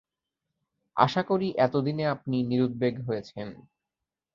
আশা করি এতদিনে আপনি নিরুদ্বেগ হয়েছেন।